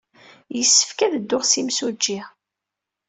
Yessefk ad dduɣ s imsujji.